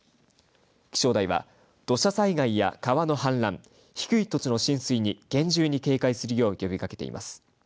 気象台は土砂災害や川の氾濫、低い土地の浸水に厳重に警戒するよう呼びかけています。